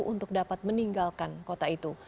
untuk dapat meninggalkan kota itu